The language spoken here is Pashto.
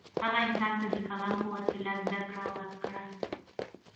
هغه انسان ته د قلم په وسیله زده کړه ورکړه.